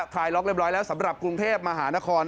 คลายล็อกเรียบร้อยแล้วสำหรับกรุงเทพมหานคร